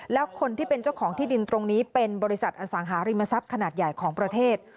แล้วคนที่เป็นเจ้าของที่ดินตรงนี้เป็นบริษัทอสังหาริมทรัพย์ขนาดใหญ่ของประเทศ